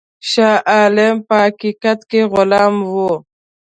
شاه عالم په حقیقت کې غلام وو.